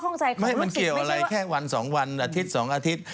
ข้อข้องใจของลูกศิษย์ไม่ใช่ว่ามันเกี่ยวอะไรแค่วัน๒วันอาทิตย์๒อาทิตย์